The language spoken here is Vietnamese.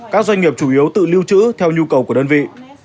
các doanh nghiệp chủ yếu tự lưu trữ theo nhu cầu của đơn vị